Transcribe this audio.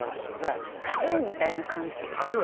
果樹園みたいな感じ果樹園？